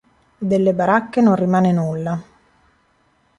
Delle baracche non rimane nulla.